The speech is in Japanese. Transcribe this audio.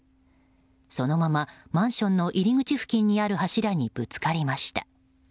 そのままマンションの入り口付近にある柱にぶつかりました。